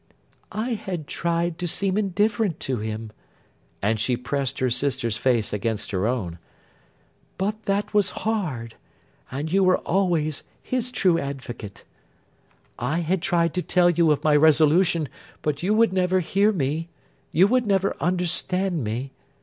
'I had tried to seem indifferent to him;' and she pressed her sister's face against her own; 'but that was hard, and you were always his true advocate. I had tried to tell you of my resolution, but you would never hear me; you would never understand me.